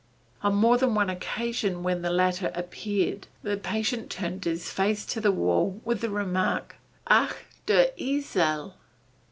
On more than one occasion when the latter appeared the patient turned his face to the wall with the remark, "Ach der Esel."